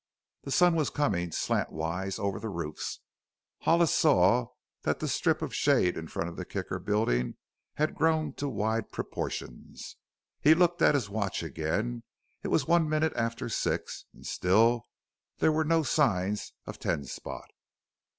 The sun was coming slantwise over the roofs; Hollis saw that the strip of shade in front of the Kicker building had grown to wide proportions. He looked at his watch again. It was one minute after six and still there were no signs of Ten Spot.